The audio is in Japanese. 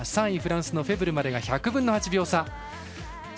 ３位、フランスのフェブルまでが１００分の８秒差。